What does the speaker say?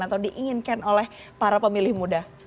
atau diinginkan oleh para pemilih muda